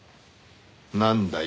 なんだよ？